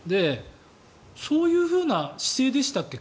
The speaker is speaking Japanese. そういうふうな姿勢でしたっけ